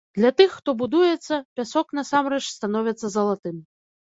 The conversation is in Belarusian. Для тых, хто будуецца, пясок насамрэч становіцца залатым.